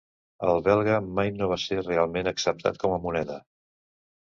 El belga mai no va ser realment acceptat com a moneda.